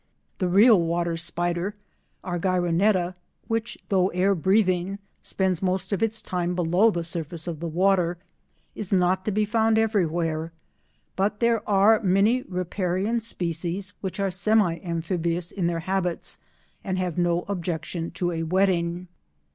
The real water spider, Argyroneta, which, though air breathing, spends most of its time below the surface of the water, is not to be found everywhere, but there are many riparian species which are semi amphibious in their habits and have no objection to a wetting.